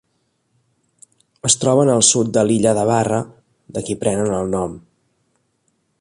Es troben al sud de l'illa de Barra, de qui prenen el nom.